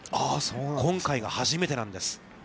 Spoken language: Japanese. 今回が初めてなんです。